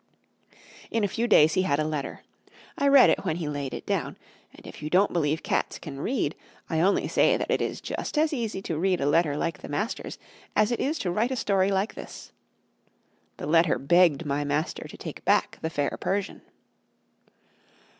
In a few days he had a letter. I read it when he laid it down; and if you don't believe cats can read, I can only say that it is just as easy to read a letter like the master's as it is to write a story like this. The letter begged my master to take back the fair Persian.